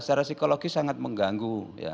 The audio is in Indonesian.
secara psikologis sangat mengganggu